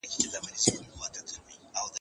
که وخت وي، سبا ته فکر کوم؟